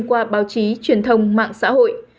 qua báo chí truyền thông mạng xã hội